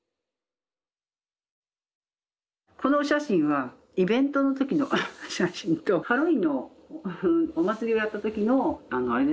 このお写真はイベントの時の写真とハロウィーンのお祭りをやった時のあれですね